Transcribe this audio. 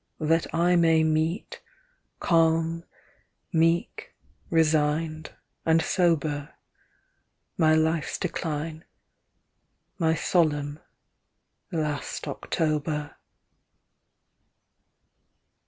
That I may meet, calm, meek, resigned, and sober. My life's decline — my solemn — last October.